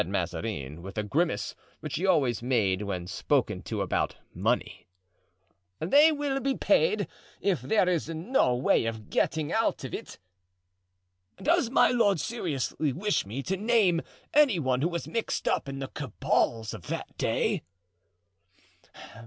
"Eh, pardieu!" said Mazarin, with a grimace which he always made when spoken to about money. "They will be paid, if there is no way of getting out of it." "Does my lord seriously wish me to name any one who was mixed up in the cabals of that day?"